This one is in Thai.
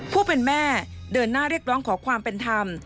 ผู้เป็นแม่เดินหน้าเรียกร้องขอความเป็นธรรม